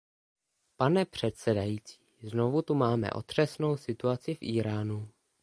Pane předsedající, znovu tu máme otřesnou situaci v Íránu.